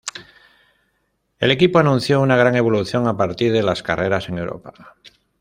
El equipo anunció una gran evolución a partir de las carreras en Europa.